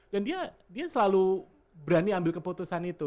dan dia selalu berani ambil keputusan itu